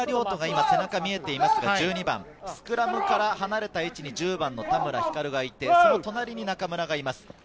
土が今、背中が見えていますが１２番、スクラムから離れた位置に１０番の田村煕がいて、隣に中村がいます。